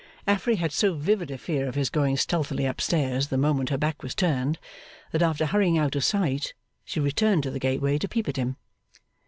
Affery had so vivid a fear of his going stealthily up stairs the moment her back was turned, that after hurrying out of sight, she returned to the gateway to peep at him.